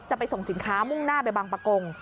ไปส่งสินค้ามุ่งหน้าไปบางประกง